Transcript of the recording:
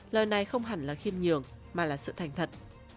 lời này không hẳn là khiêm nhường mà là sự thành thật